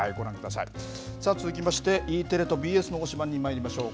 さあ、続きましてＥテレとＢＳの推しバン！にまいりましょう。